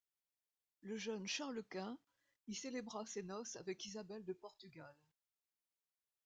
Le jeune Charles Quint y célébra ses noces avec Isabelle de Portugal.